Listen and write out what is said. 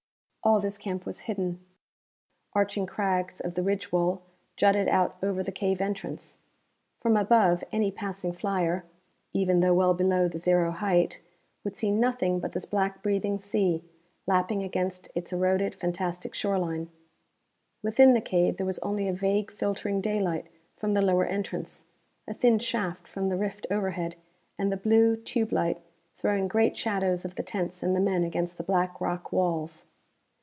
All this camp was hidden. Arching crags of the ridge wall jutted out over the cave entrance. From above, any passing flyer even though well below the zero height would see nothing but this black breathing sea, lapping against its eroded, fantastic shore line. Within the cave, there was only a vague filtering daylight from the lower entrance, a thin shaft from the rift overhead, and the blue tube light, throwing great shadows of the tents and the men against the black rock walls.